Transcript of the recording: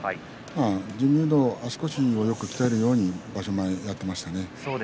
準備運動、足腰をよく鍛えるように場所前やっていましたね。